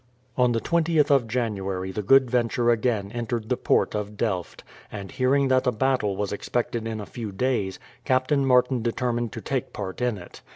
On the 20th of January the Good Venture again entered the port of Delft; and hearing that a battle was expected in a few days, Captain Martin determined to take part in it.